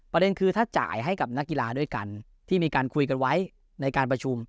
ประเด็นคือถ้าจ่ายให้กับนักกีฬาด้วยกันที่มีการคุยกันไว้ในการประชุม